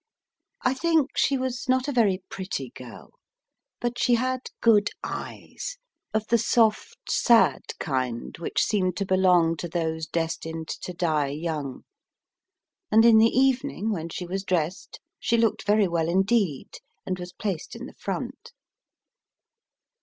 I think she was not a very pretty girl, but she had good eyes of the soft, sad kind, which seem to belong to those destined to die young ; and in the evening, when she was dressed, she looked very well indeed, and was placed in the front.